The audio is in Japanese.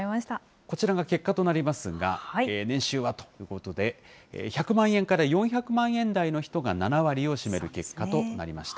こちらが結果となりますが、年収はということで、１００万円から４００万円台の人が７割を占める結果となりました。